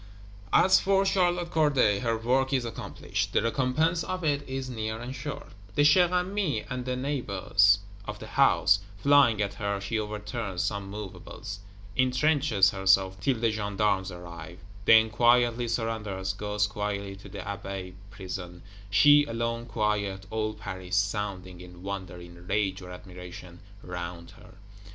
As for Charlotte Corday, her work is accomplished; the recompense of it is near and sure. The chère amie, and the neighbors of the house, flying at her, she "overturns some movables," intrenches herself till the gendarmes arrive; then quietly surrenders; goes quietly to the Abbaye Prison: she alone quiet, all Paris sounding, in wonder, in rage or admiration, round her.